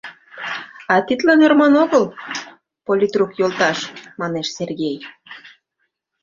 — А тидлан ӧрман огыл, политрук йолташ, — манеш Сергей.